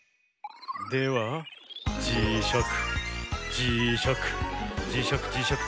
ではじしゃくじしゃくじしゃくじしゃく